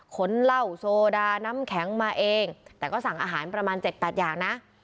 เหล้าโซดาน้ำแข็งมาเองแต่ก็สั่งอาหารประมาณ๗๘อย่างนะ